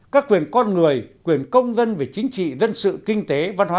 các quyền con người quyền công dân về chính trị dân sự kinh tế văn hóa